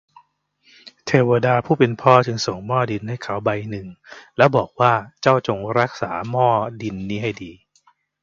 เทวดาผู้เป็นพ่อจึงส่งหม้อดินให้เขาใบหนึ่ง แล้วบอกว่า เจ้าจงรักษาหม้อดินนี้ให้ดี